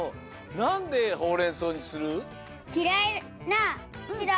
なんでほうれんそうにする？